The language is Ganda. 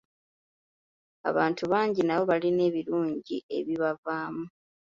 Abantu abangi nabo balina ebirungi ebibavaamu.